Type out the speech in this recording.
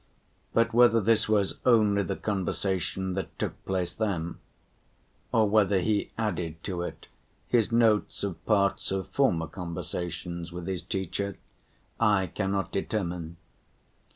But whether this was only the conversation that took place then, or whether he added to it his notes of parts of former conversations with his teacher, I cannot determine.